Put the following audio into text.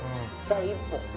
第一歩。